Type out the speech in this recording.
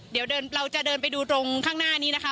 เดี๋ยวเราจะเดินไปดูตรงข้างหน้านี้นะคะ